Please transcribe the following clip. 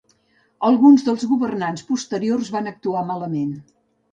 Alguns dels governants posteriors van actuar malament.